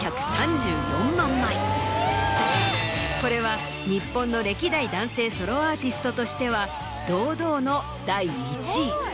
これは日本の歴代男性ソロアーティストとしては堂々の第１位。